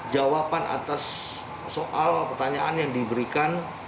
jawaban atas soal pertanyaan yang diberikan